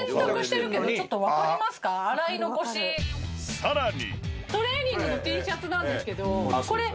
さらに。